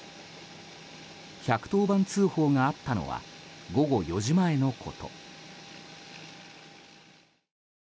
１１０番通報があったのは午後４時前のこと。